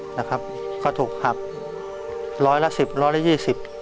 นะครับก็ถูกหักร้อยละสิบร้อยละยี่สิบ